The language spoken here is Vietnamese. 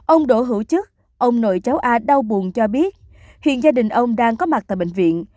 ông đỗ hữu chức ông nội cháu a đau buồn cho biết hiện gia đình ông đang có mặt tại bệnh viện